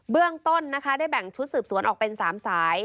เรื่องต้นนะคะได้แบ่งชุดสืบสวนออกเป็น๓สาย